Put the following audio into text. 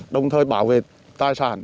đồng thời bảo vệ tài sản